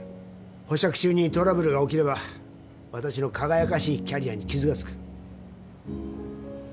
保釈中にトラブルが起きれば私の輝かしいキャリアに傷が付く。